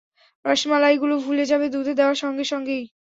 রসমালাইগুলো ফুলে যাবে দুধে দেওয়ার সঙ্গে সঙ্গেই।